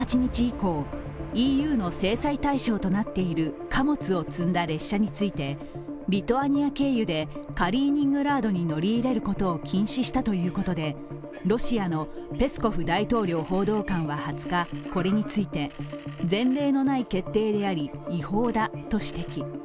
ロシアメディアなどによりますと、リトアニアは１８日以降ＥＵの制裁対象となっている貨物を積んだ列車についてリトアニア経由でカリーニングラードに乗り入れることを禁止したということでロシアのペスコフ大統領報道官は２０日、これについて、前例のない決定であり違法だと指摘。